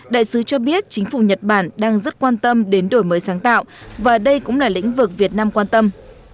đại sứ cho biết chính phủ nhật bản đang rất quan tâm đến đổi mới sáng tạo và đây cũng là lĩnh vực việt nam quan tâm